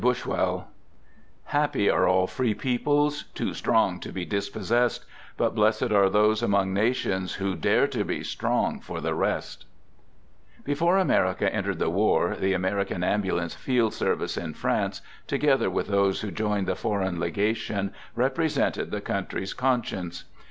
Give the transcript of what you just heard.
Paris: ^mile Paul Frerev V Digitized by LESLIE BUSWELL Happy are all free peoples, too strong to be dispossessed, But blessed are those among nations who dare to be strong for the rest. [Before America entered the war, the American ^; Ambulance Field Service in France, together with 1 those who joined the Foreign Legation, represented \ the country's conscience.